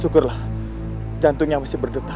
syukurlah jantungnya masih bergetar